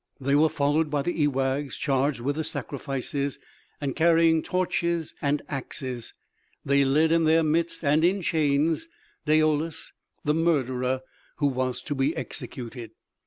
They were followed by the ewaghs charged with the sacrifices, and carrying torches and axes; they led in their midst and in chains Daoulas, the murderer who was to be executed.